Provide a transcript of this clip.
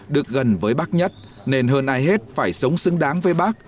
được gần với bác nhất nên hơn ai hết phải sống xứng đáng với bác